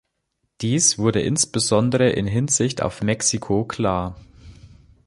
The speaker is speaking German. Dies wurde insbesondere in Hinsicht auf Mexiko klar.